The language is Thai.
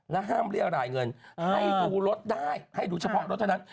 ห้ามเรียรายเงินให้ดูรถได้ให้ดูเฉพาะรถเท่านั้น